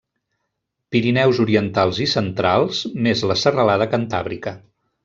Pirineus orientals i centrals, més la Serralada Cantàbrica.